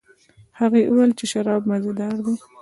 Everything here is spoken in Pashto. هغې وویل چې شراب مزه دار دي.